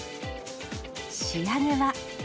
仕上げは。